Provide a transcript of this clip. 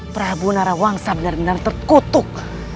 prabu narawangsang bener bener terkutuk